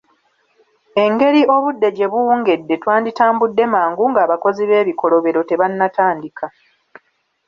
Engeri obudde gye buwungedde twanditambudde mangu ng'abakozi b'ebikolobero tebannatandika.